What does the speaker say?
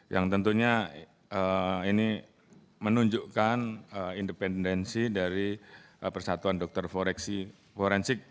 yang tentunya ini menunjukkan independensi dari persatuan dokter forensik